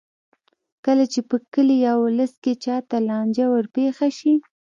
کله چې په کلي یا ولس کې چا ته لانجه ورپېښه شي.